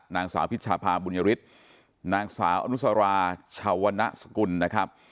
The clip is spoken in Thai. นางสาวพิชภาบุญยฤทธิ์นางสาวอนุสราชาวณสกุลนะครับ